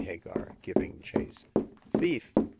93 Hagar, giving chase. "Thief